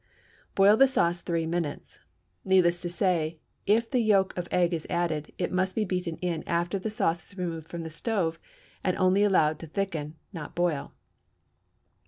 Boil the sauce three minutes. Needless to say, if the yolk of egg is added, it must be beaten in after the sauce is removed from the stove, and only allowed to thicken, not boil.